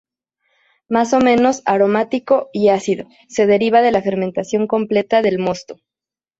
Más o menos aromático y ácido, se deriva de la fermentación completa del mosto.